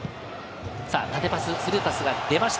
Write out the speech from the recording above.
縦パス、スルーパスが出ました。